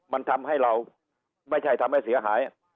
มันทำให้เราไม่ใช่ทำให้เสียหาย